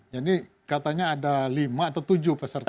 jadi katanya ada lima atau tujuh peserta